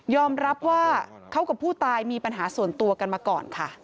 รับว่าเขากับผู้ตายมีปัญหาส่วนตัวกันมาก่อนค่ะ